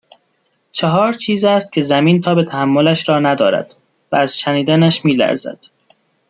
چهار چیز است كه زمين تاب تحملش را ندارد و از شنيدنش میلرزد